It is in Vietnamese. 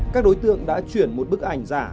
các đối tượng đã chuyển một bức ảnh giả